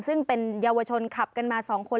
ซึ่งเป็นเยาวชนขับกันมา๒คน